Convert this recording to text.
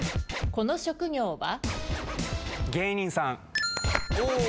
この職業は？